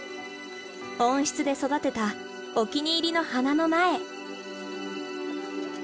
温室で育てたお気に入りの花の苗。